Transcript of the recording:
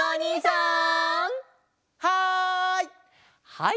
はい！